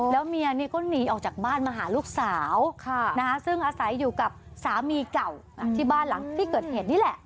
แล้วเมียนี่ก็หนีออกจากบ้านมาหาลูกสาวซึ่งอาศัยอยู่กับสามีเก่าที่บ้านหลังที่เกิดเหตุนี่แหละ